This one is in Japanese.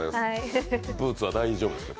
ブーツは大丈夫ですか？